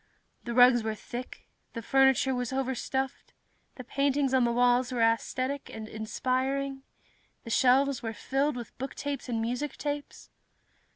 The rugs were thick, the furniture was overstuffed, the paintings on the walls were aesthetic and inspiring, the shelves were filled with booktapes and musictapes.